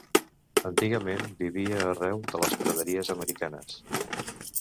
Antigament vivia arreu de les praderies americanes.